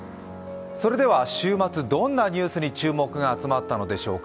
週末、どんなニュースに注目が集まったのでしょうか。